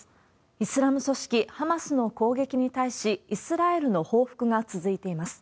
イスラム組織ハマスの攻撃に対し、イスラエルの報復が続いています。